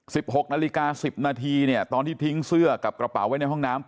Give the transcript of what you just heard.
หกนาฬิกาสิบนาทีเนี่ยตอนที่ทิ้งเสื้อกับกระเป๋าไว้ในห้องน้ำ